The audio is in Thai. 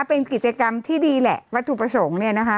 เป็นกิจกรรมที่ดีแหละวัตถุประสงค์เนี่ยนะคะ